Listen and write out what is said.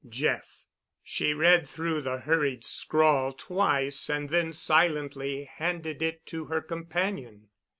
"JEFF." She read through the hurried scrawl twice and then silently handed it to her companion.